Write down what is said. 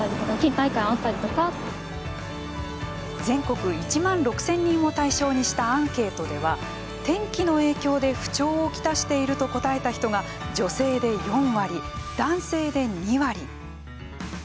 全国１万６０００人を対象にしたアンケートでは天気の影響で不調をきたしていると答えた人が女性で４割、男性で２割。